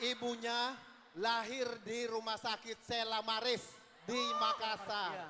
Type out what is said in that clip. ibunya lahir di rumah sakit selamarif di makassar